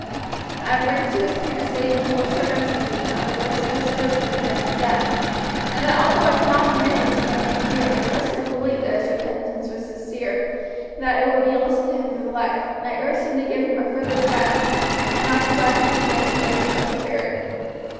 I have written to his parents stating the whole circumstances under which he was driven to commit the theft, and that although I could not permit him to remain here, I trusted and believed that his repentance was sincere, and that it would be a lesson to him through life, and I urged them to give him a further trial, and not to drive him to desperation by severity.